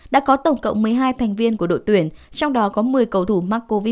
đã có tổng cộng một mươi hai thành viên của đội tuyển trong đó có một mươi cầu thủ mắc covid một mươi chín